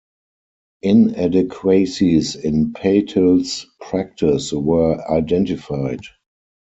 Inadequacies in Patel's practice were identified.